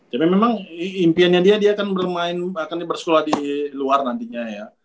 tapi memang impiannya dia dia akan bermain akan bersekolah di luar nantinya ya